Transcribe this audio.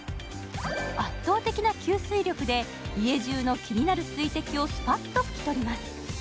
圧倒的な吸水力で家じゅうの気になる水滴をスパッと拭き取ります